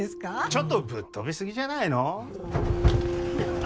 ちょっとぶっ飛びすぎじゃないの？